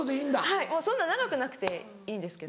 はいそんな長くなくていいんですけど。